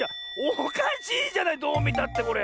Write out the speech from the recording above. おかしいじゃないどうみたってこれ。